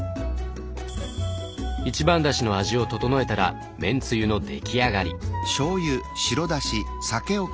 一番だしの味を調えたら麺つゆの出来上がり。